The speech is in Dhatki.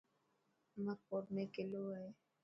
عمرڪوٽ ۾ ڪلو هي.